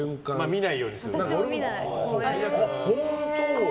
見ないようにしてる。